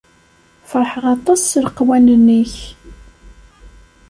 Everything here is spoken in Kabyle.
Ferrḥeɣ aṭas s leqwanen-ik.